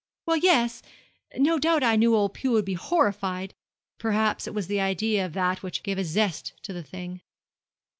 'Well, yes, no doubt I knew old Pew would be horrified. Perhaps it was the idea of that which gave a zest to the thing.'